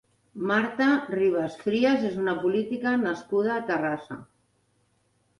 Marta Ribas Frías és una política nascuda a Terrassa.